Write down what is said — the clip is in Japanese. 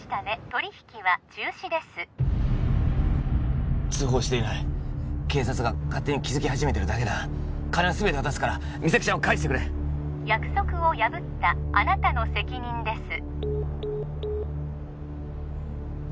取り引きは中止です通報していない警察が勝手に気づき始めてるだけだ金はすべて渡すから実咲ちゃんを返してくれ約束を破ったあなたの責任です